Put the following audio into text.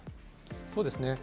そうですね。